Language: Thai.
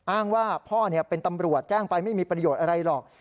อ้างว่าพ่อเป็นตำรวจแจ้งไปไม่มีประโยชน์อะไรหรอก